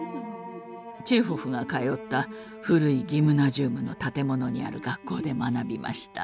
チェーホフが通った古いギムナジウムの建物にある学校で学びました。